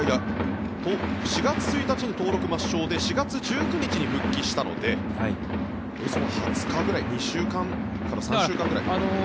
４月１日に登録抹消で４月１９日に復帰したのでおよそ２０日ぐらい２週間から３週間くらいですね。